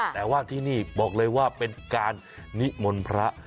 แต่ว่าที่นี่บอกเลยว่าเป็นการนิมนต์พระ